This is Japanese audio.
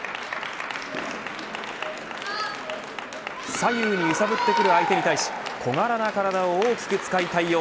左右に揺さぶってくる相手に対し小柄な体を大きく使い対応。